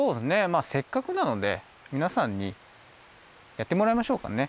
まあせっかくなのでみなさんにやってもらいましょうかね。